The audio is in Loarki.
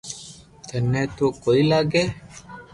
ٿني تو ڪوئي لاگي